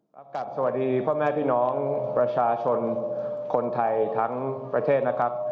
กลับสวัสดีพ่อแม่พี่น้องประชาชนคนไทยทั้งประเทศนะครับ